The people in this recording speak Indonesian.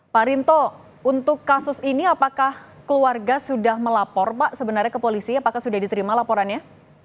pak rinto untuk kasus ini apakah keluarga sudah melapor pak sebenarnya ke polisi apakah sudah diterima laporannya